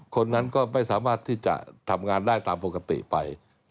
คนนั้นก็ไม่สามารถที่จะทำงานได้ตามปกติไป